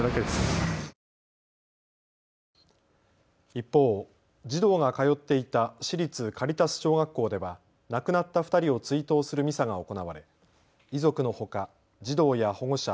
一方、児童が通っていた私立カリタス小学校では亡くなった２人を追悼するミサが行われ、遺族のほか児童や保護者